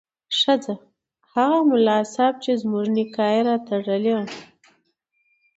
ښځه: هغه ملا صیب چې زموږ نکاح یې راتړلې وه